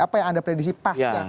apa yang anda predisi paskan